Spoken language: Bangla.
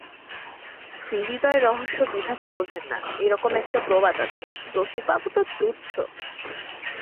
স্ত্রীহৃদয়ের রহস্য বিধাতা বোঝেন না এইরকম একটা প্রবাদ আছে, রসিকবাবু তো তুচ্ছ।